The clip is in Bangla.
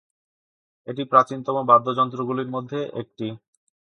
এটি প্রাচীনতম বাদ্যযন্ত্রগুলির মধ্যে একটি।